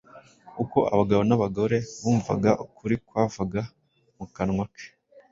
Uko abagabo n’abagore bumvaga ukuri kwavaga mu kanwa ke.